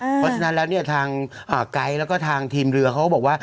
เพราะฉะนั้นแล้วเนี่ยทางไกด์แล้วก็ทางทีมเรือเขาก็บอกว่า